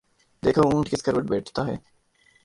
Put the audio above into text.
دیکھو اونٹ کس کروٹ بیٹھتا ہے ۔